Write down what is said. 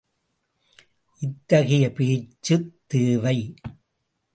இத்தகைய பேச்சு தேவை.